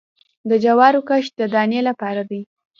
د جوارو کښت د دانې لپاره دی